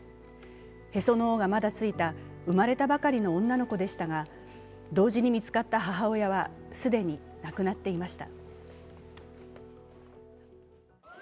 へその緒がまだついた生まれたばかりの女の子でしたが同時に見つかった母親は既に亡くなっていました。